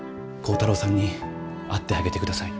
耕太郎さんに会ってあげて下さい。